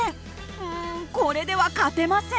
うんこれでは勝てません。